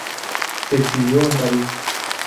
Se exilió en París.